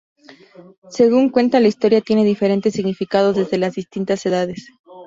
Según cuenta la historia tiene diferentes significados desde las distintas edades.